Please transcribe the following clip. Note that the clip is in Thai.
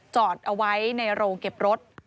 จอดเอาไว้ในโรงเก็บรถ